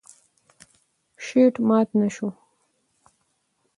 شیټ مات نه شو.